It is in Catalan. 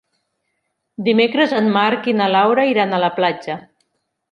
Dimecres en Marc i na Laura iran a la platja.